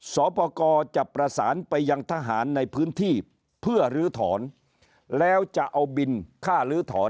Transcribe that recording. สอบประกอบจะประสานไปยังทหารในพื้นที่เพื่อลื้อถอนแล้วจะเอาบินค่าลื้อถอน